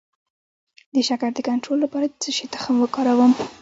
د شکر د کنټرول لپاره د څه شي تخم وکاروم؟